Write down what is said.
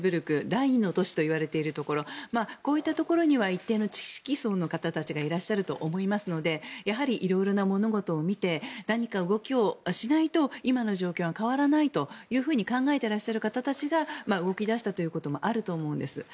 第２の都市といわれているところこういったところには一定の知識層の方がいらっしゃると思いますのでやはり色々な物事を見て何か動きをしないと今の状況は変わらないと考えていらっしゃる方たちが動き出したということもあると思うんです。